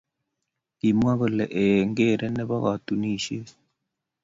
Kimwa kole eeh eng geree ne bo katunishe.